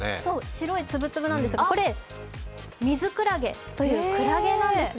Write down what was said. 白い粒々なんですが、これ、ミズクラゲというクラゲなんですね。